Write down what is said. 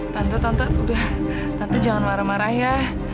tante tante udah tante jangan marah marah ya